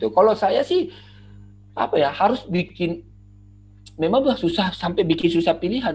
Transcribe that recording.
kalau saya sih memang susah sampai bikin susah pilihan